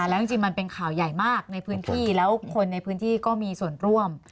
แล้วจริงมันเป็นข่าวใหญ่มากในพื้นที่แล้วคนในพื้นที่ก็มีส่วนร่วม